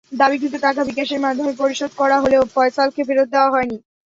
দাবিকৃত টাকা বিকাশের মাধ্যমে পরিশোধ করা হলেও ফয়সালকে ফেরত দেওয়া হয়নি।